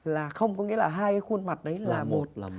là không có nghĩa là hai cái khuôn mặt đấy là một